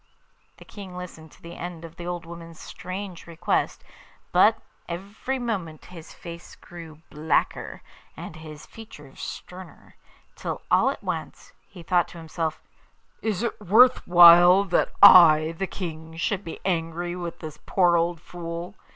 The King listened to the end of the old woman's strange request, but every moment his face grew blacker, and his features sterner; till all at once he thought to himself, 'Is it worth while that I, the King, should be angry with this poor old fool?